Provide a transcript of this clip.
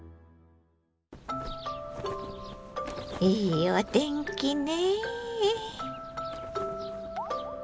いいお天気ね。